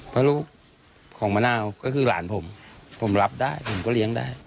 เพราะลูกของมะนาวก็คือหลานผมผมรับได้ผมก็เลี้ยงได้